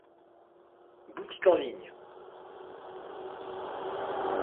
Boutique en ligne.